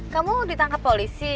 kamu ditangkap polisi